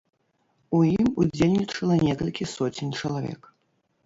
У ім удзельнічала некалькі соцень чалавек.